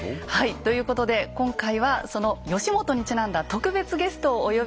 ということで今回はその義元にちなんだ特別ゲストをお呼びしております。